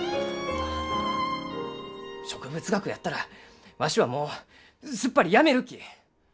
植物学やったらわしはもうすっぱりやめるき！